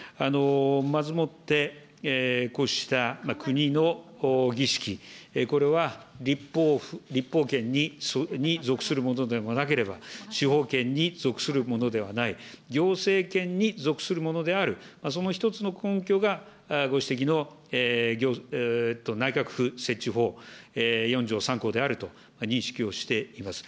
まずもって、こうした国の儀式、これは立法権に属するものでもなければ、司法権に属するものではない、行政権に属するものである、その一つの根拠が、ご指摘の内閣府設置法４条３項であると認識をしています。